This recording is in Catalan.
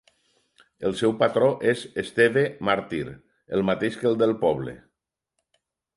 El seu patró és Esteve màrtir, el mateix que el del poble.